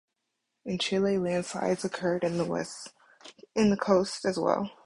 In Chile landslides occurred in the coast as well.